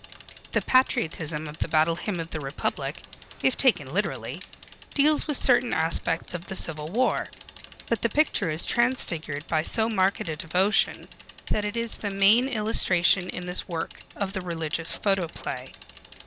The patriotism of The Battle Hymn of the Republic, if taken literally, deals with certain aspects of the Civil War. But the picture is transfigured by so marked a devotion, that it is the main illustration in this work of the religious photoplay.